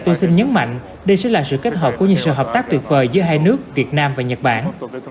tôi xin nhấn mạnh đây sẽ là sự kết hợp của những sự hợp tác tuyệt vời giữa hai nước việt nam và nhật bản